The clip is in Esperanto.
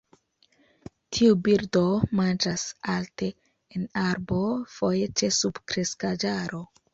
Tiu birdo manĝas alte en arbo, foje ĉe subkreskaĵaro.